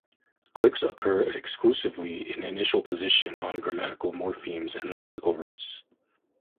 Clicks occur exclusively in initial position on grammatical morphemes and lexical roots.